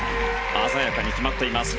鮮やかに決まっています。